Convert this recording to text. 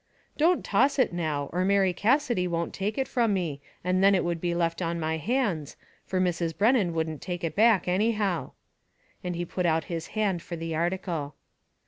"Don't toss it now, or Mary Cassidy won't take it from me, and then it would be left on my hands, for Mrs. Brennan wouldn't take it back anyhow," and he put out his hand for the article.